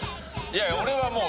俺はもう。